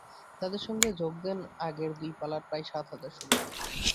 তাঁদের সঙ্গে যোগ দেন আগের দুই পালার প্রায় সাত হাজার শ্রমিক।